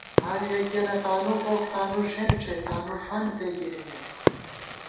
ہر یَکِیَنہ تانُو خوخ تانُو ݭېنݭےتانُوفنتےگِرِمېت